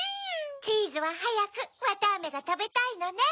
チーズははやくわたあめがたべたいのね。